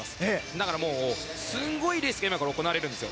だから、すごいレースが今から行われるんです。